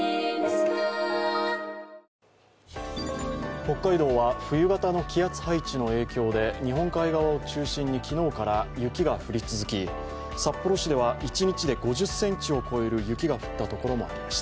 北海道は冬型の気圧配置の影響で日本海側を中心に、昨日から雪が降り続き札幌市では一日で５０ｃｍを超える雪が降った所もありました。